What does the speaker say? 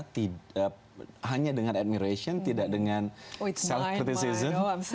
tidak hanya dengan admiration tidak dengan self aptization